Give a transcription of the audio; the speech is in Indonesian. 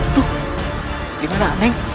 tuh gimana meng